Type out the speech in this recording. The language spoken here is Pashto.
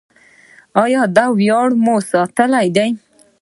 آیا دا ویاړ مو ساتلی دی؟